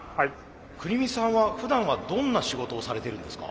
國見さんはふだんはどんな仕事をされているんですか？